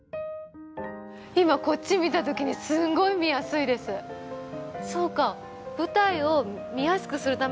今こっち見たときにすんごい見やすいですそうか。